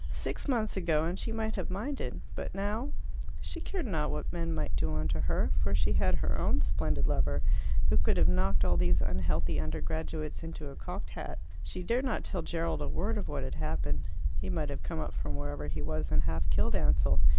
Six months ago and she might have minded; but now she cared not what men might do unto her, for she had her own splendid lover, who could have knocked all these unhealthy undergraduates into a cocked hat. She dared not tell Gerald a word of what had happened: he might have come up from wherever he was and half killed Ansell.